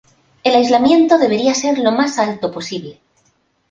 El aislamiento debería ser lo más alto posible.